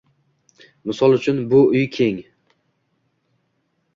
Misol uchun, “Bu uy keng”.